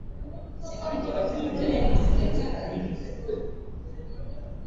msemaji wa chama cha mdc nelson chamisa